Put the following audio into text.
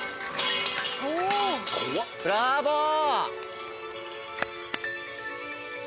ブラボー！